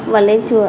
và lên chùa